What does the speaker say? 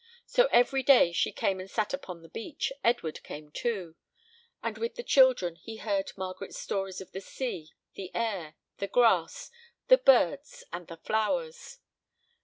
So, every day she came and sat upon the beach, Edward came too; and with the children he heard Margaret's stories of the sea, the air, the grass, the birds, and the flowers.